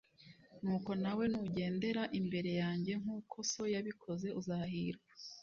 Nuko nawe nugendera imbere yanjye nk uko so yabikoze uzahirwa